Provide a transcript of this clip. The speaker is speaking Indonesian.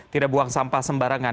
tidak buang sampah sembarangan